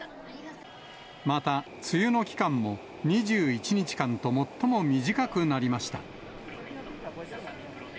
また、梅雨の期間も２１日間と最も短くなりました。